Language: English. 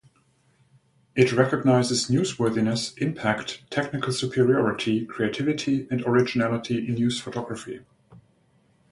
It recognises newsworthiness, impact, technical superiority, creativity and originality in news photography.